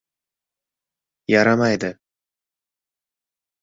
Yaramaydi: